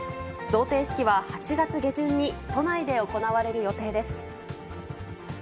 贈呈式は、８月下旬に都内で行われる予定です。